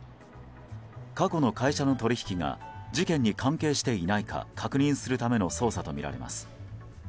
過去の会社の取引が事件に関係していないか確認するための捜査とみられます。